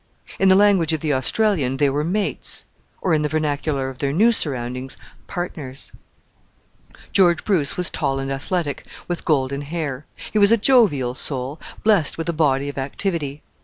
In the language of the Australian, they were mates, or, in the vernacular of their new surroundings, "partners." George Bruce was tall and athletic, with golden hair. He was a jovial soul, blessed with a body of activity.